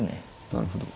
なるほど。